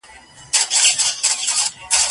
ما د سمسوره باغه واخیسته لاسونه